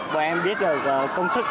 bọn em biết được công thức